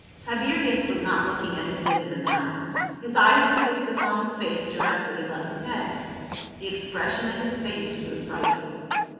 Tiberius was not looking at his visitor now, his eyes were fixed upon the space directly above his head ; the expression of his face grew frightful.